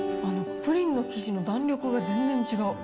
プリンの生地の弾力が全然違う。